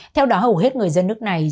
theo đó hầu hết người dân nước này